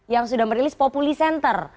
yang sudah merilis populi center